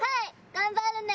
頑張るね。